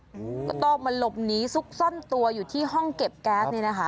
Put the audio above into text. ก็ต้องมาหลบหนีซุกซ่อนตัวอยู่ที่ห้องเก็บแก๊สนี่นะคะ